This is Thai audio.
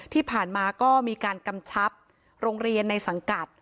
ที่ผ่านมาก็มีการกำชับโรงเรียนในสังกัด